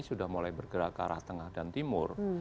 sudah mulai bergerak ke arah tengah dan timur